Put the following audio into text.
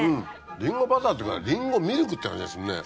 りんごバターというかりんごミルクって感じがするね。